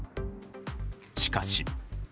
しかし。